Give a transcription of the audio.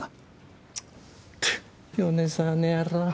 チッ米沢の野郎。